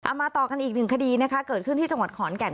มาต่อกันอีกหนึ่งคดีนะคะเกิดขึ้นที่จังหวัดขอนแก่น